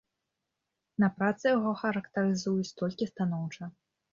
На працы яго характарызуюць толькі станоўча.